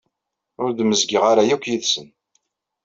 Ur d-mezgeɣ ara akk yid-sen.